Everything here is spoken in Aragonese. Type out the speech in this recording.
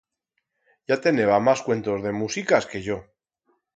Ya teneba mas cuentos de musicas que yo.